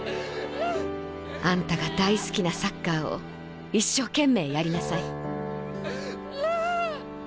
あんたが大好きなサッカーを一生懸命やりなさい」。